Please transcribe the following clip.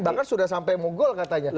bahkan sudah sampai mogol katanya